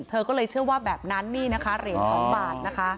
เธอก็เลยเชื่อว่าแบบนั้นนี่นะคะเหรียญ๒บาทนะคะ